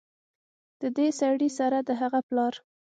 ددې سړي سره د هغه پلار